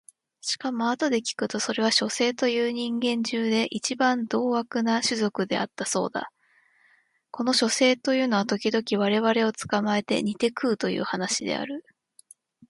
しかもあとで聞くとそれは書生という人間中で一番獰悪どうあくな種族であったそうだ。この書生というのは時々我々を捕つかまえて煮にて食うという話である。